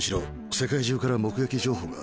世界中から目撃情報が。